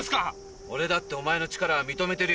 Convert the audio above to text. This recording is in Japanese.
俺だってお前の力は認めてるよ。